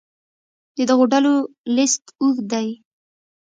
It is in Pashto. د دغو ډلو لست اوږد دی.